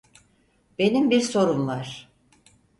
Benim bir sorum var.